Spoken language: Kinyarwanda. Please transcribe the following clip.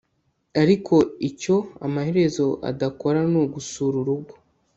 ariko icyo amaherezo adakora ni ugusura urugo